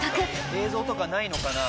「映像とかないのかな？」